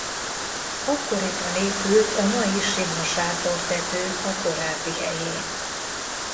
Akkoriban épült a mai sima sátortető a korábbi helyén.